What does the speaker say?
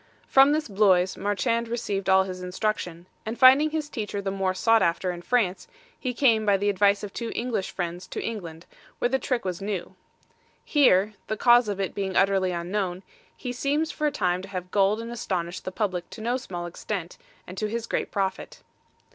From this Bloise, Marchand received all his instruction; and finding his teacher the more sought after in France, he came by the advice of two English friends to England, where the trick was new. Here the cause of it being utterly unknown he seems for a time to have gulled and astonished the public to no small extent, and to his great profit.